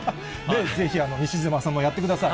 ぜひ西島さんもやってください。